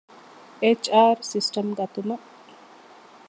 އެޗް.އާރް ސިސްޓަމް ގަތުމަށް